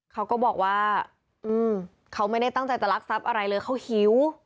เขาก็บอกว่าเขาไม่ได้ตั้งใจจะรักทรัพย์อะไรเลยเขาหิว